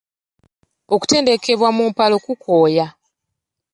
Okutendekebwa mu mpalo kikooya.